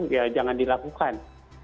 ya jangan dilakukan